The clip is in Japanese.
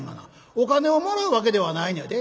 お金をもらうわけではないねやで。